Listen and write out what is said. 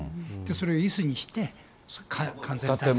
それをいすにして完全に。